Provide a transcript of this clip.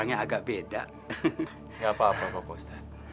ini dia sudah alhamdulillah